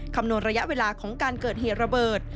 คำนวณระยะเวลาของการเกิดเหตุระเบิด